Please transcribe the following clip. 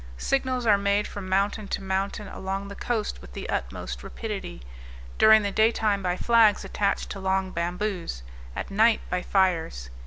Signals are made from mountain to mountain along the coast with the utmost rapidity; during the day time by flags attached to long bamboos; at night, by fires.